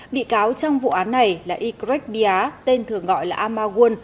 bị cáo trong vụ án này là ycret bia tên thường gọi là amagwon